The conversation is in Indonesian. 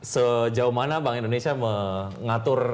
sejauh mana bank indonesia mengatur